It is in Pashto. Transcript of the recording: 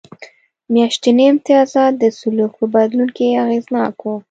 میاشتني امتیازات د سلوک په بدلون کې اغېزناک و